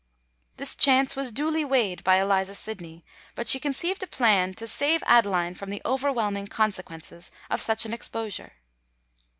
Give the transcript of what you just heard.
This chance was duly weighed by Eliza Sydney; but she conceived a plan to save Adeline from the overwhelming consequences of such an exposure.